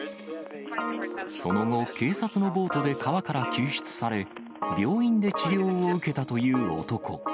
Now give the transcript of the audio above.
その後、警察のボートで川から救出され、病院で治療を受けたという男。